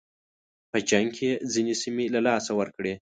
په جنګ کې یې ځینې سیمې له لاسه ورکړې.